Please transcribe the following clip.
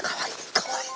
かわいい！